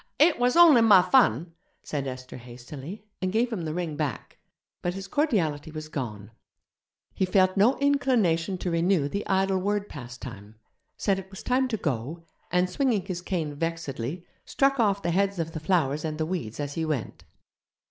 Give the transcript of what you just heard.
'It was only my fun!' said Esther hastily, and gave him the ring back, but his cordiality was gone. He felt no inclination to renew the idle word pastime, said it was time to go, and, swinging his cane vexedly, struck off the heads of the flowers and the weeds as he went.